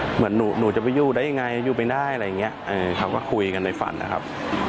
เหมือนหนูจะไปอยู่ได้ยังไงอยู่ไม่ได้อะไรอย่างนี้เขาก็คุยกันในฝันนะครับ